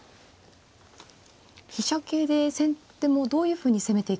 飛車桂で先手もどういうふうに攻めていくのか。